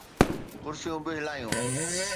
ڪرسيون به ھلايو.